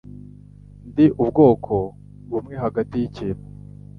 Ndi ubwoko bumwe hagati yikintu.